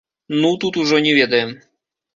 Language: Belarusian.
Ну, тут ужо не ведаем.